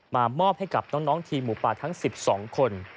มอบให้กับน้องทีมหมูป่าทั้ง๑๒คน